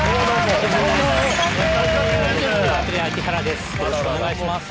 よろしくお願いします